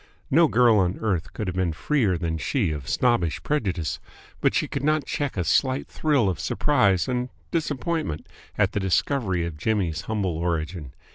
No girl on earth could have been freer than she of snobbish prejudice, but she could not check a slight thrill of surprise and disappointment at the discovery of Jimmy's humble origin.